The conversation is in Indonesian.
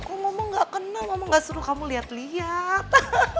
kok mama gak kenal mama gak suruh kamu lihat lihat